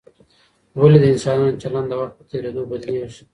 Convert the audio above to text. ولي د انسانانو چلند د وخت په تېرېدو بدلیږي؟